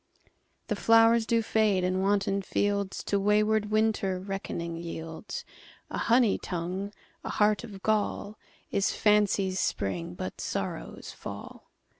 The flowers do fade, and wanton fieldsTo wayward Winter reckoning yields:A honey tongue, a heart of gall, Is fancy's spring, but sorrow's fall.